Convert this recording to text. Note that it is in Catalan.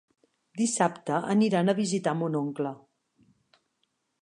Dissabte aniran a visitar mon oncle.